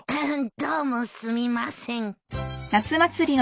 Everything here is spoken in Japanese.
どうもすみません。